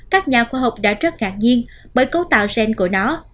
các nhà khoa học đã rất ngạc nhiên bởi cấu tạo gen của nó